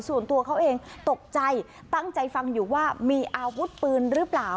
ส่วนตัวเขาเองตกใจตั้งใจฟังอยู่ว่ามีอาวุธปืนหรือเปล่า